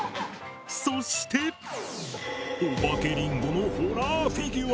そしてお化けリンゴのホラーフィギュア！